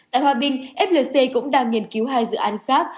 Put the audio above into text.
tại hòa bình flc cũng đang nghiên cứu hai dự án khác